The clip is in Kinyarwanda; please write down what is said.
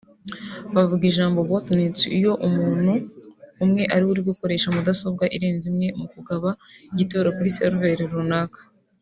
Bavuga ijambo botnet iyo umuntu umwe ariwe uri gukoresha mudasobwa irenze imwe mu kugaba igitero kuri seriveri runaka